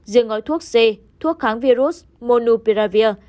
giữa ngói thuốc c thuốc kháng virus monupiravir